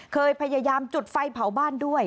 เคยพยายามจุดไฟเผาบ้านด้วย